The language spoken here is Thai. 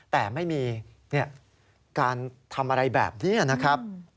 แต่ไม่มีการทำอะไรแบบนี้นะครับ